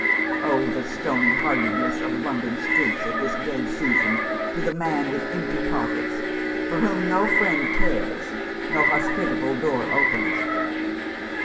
Oh, the stony heartedness of London streets at this dead season to the man with empty pockets, for whom no friend cares, no hospitable door opens